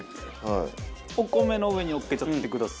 お米の上にのっけちゃってください。